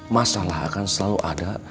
masalah akan selalu ada